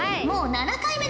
７回目？